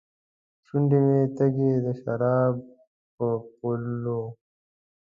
شونډې مې تږې ، دسراب په پولو